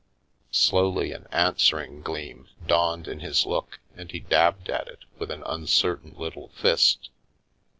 Slowly an answering gleam dawned in his look and he dabbed at it with an uncertain little fist.